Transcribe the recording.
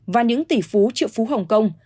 và những tỷ phú triệu phú hồng kông